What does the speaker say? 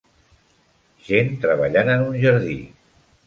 Gent treballant en un jardí.